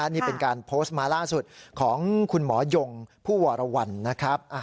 นี่เป็นการโพสต์มาล่าสุดของคุณหมอยงผู้วรวรรณนะครับ